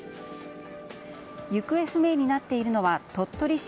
行方不明になっているのは鳥取市